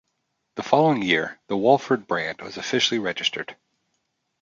The following year, the Wolford brand was officially registered.